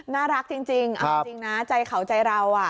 น่ารักจริงเอาจริงนะใจเขาใจเรา